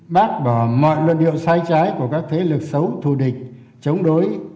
bác bỏ mọi luận điệu sai trái của các thế lực xấu thù địch chống đối